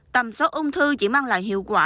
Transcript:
tầm xóa ung thư chỉ mang lại hiệu quả